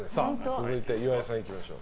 続いて岩井さん、いきましょう。